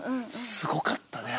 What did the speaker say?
すごかったね。